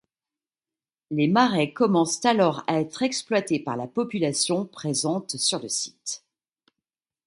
Les marais commencent alors à être exploités par la population présente sur le site.